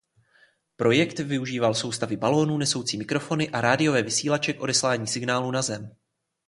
Projekt využíval soustavy balónů nesoucí mikrofony a radiové vysílače k odesílání signálu na zem.